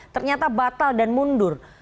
ternyata batal dan mundur